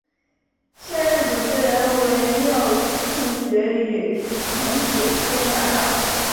现任主持人为廖庆学与陈斐娟搭档。